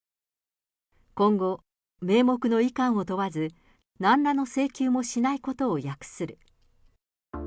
今後、名目のいかんを問わず、なんらの請求もしないことを約する。